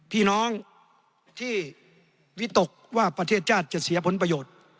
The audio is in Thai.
พี่น้องที่วิตกว่าประเทศชาติจะเสียผลประโยชน์